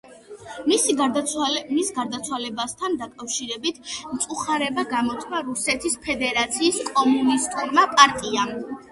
მის გარდაცვალებასთან დაკავშირებით მწუხარება გამოთქვა რუსეთის ფედერაციის კომუნისტურმა პარტიამ.